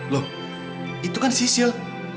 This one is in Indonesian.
loh itu kan sisil